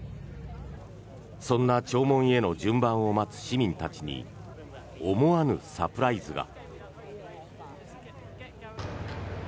そんな弔問への順番を待つ市民たちに思わぬサプライズが。